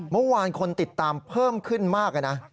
เมื่อวานคนติดตามเพิ่มขึ้นมากเลยนะ